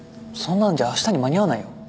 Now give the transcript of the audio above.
そんなんじゃあしたに間に合わないよ。